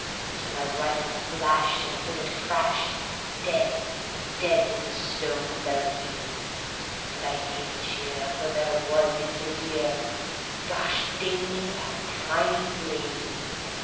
So my rifle flashed, and a bullet crashed; dead, dead as a stone fell he, And I gave a cheer, for there in his ear Gosh ding me! a tiny flea.